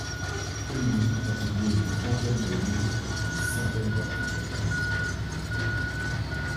Temimi a publié une trentaine de livres et des centaines d'articles académiques.